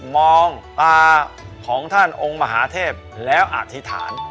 มองตาของท่านองค์มหาเทพแล้วอธิษฐาน